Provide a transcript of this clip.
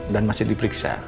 dan masih diperiksa